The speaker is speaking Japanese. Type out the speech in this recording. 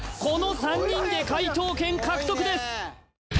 この３人で解答権獲得です